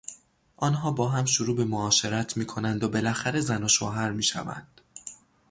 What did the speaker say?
آنها با هم شروع به معاشرت می کنند و بالاخره زن وشوهر میشوند.